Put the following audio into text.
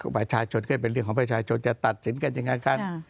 ประชาชนก็เป็นเรื่องของประชาชนจะตัดสินกันยังไงกัน